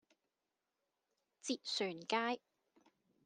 捷船街